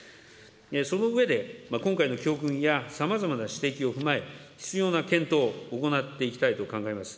その上で、今回の教訓やさまざまな指摘を踏まえ、必要な検討を行っていきたいと考えます。